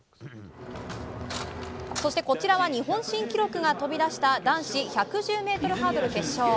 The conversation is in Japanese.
そしてこちらは日本新記録が飛び出した男子１１０ｍハードル決勝。